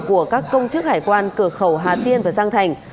của các công chức hải quan cửa khẩu hà tiên và giang thành